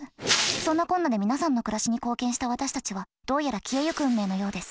そんなこんなで皆さんの暮らしに貢献した私たちはどうやら消えゆく運命のようです。